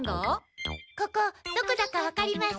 ここどこだかわかります？